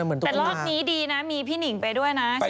เฮ้ย